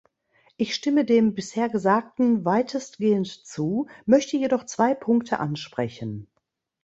Ich stimme dem bisher Gesagten weitestgehend zu, möchte jedoch zwei Punkte ansprechen.